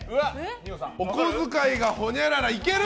お小遣いがほにゃららいける？